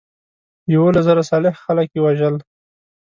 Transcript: یولس زره صالح خلک یې وژل.